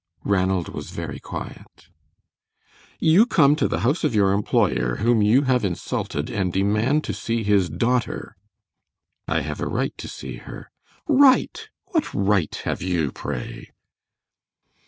Ranald was very quiet. "You come to the house of your employer, whom you have insulted, and demand to see his daughter." "I have a right to see her." "Right? What right have you, pray?"